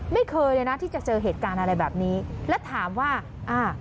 ไม่เคยเลยนะที่จะเจอเหตุการณ์อะไรแบบนี้แล้วถามว่าอ่า